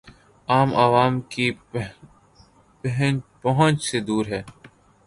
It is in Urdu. عام عوام کی پہنچ سے دور ہے